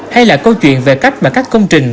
hay là câu chuyện về cách mà các công trình